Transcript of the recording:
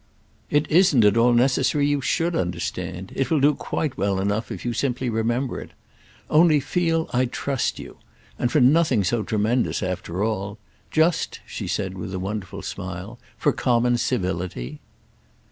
"It isn't at all necessary you should understand; it will do quite well enough if you simply remember it. Only feel I trust you—and for nothing so tremendous after all. Just," she said with a wonderful smile, "for common civility."